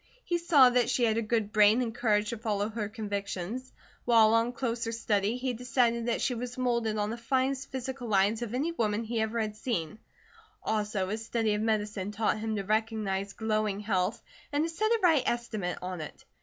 He saw that she had a good brain and courage to follow her convictions, while on closer study he decided that she was moulded on the finest physical lines of any woman he ever had seen, also his study of medicine taught him to recognize glowing health, and to set a right estimate on it.